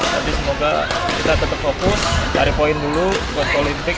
jadi semoga kita tetap fokus tarik poin dulu buat olimpik